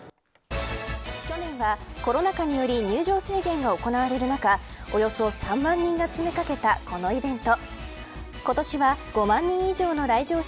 去年は、コロナ禍により入場制限が行われる中およそ３万人が詰め掛けたこのイベント。